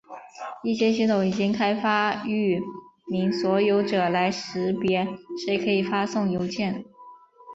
一些系统已经开发域名所有者来识别谁可以发送邮件。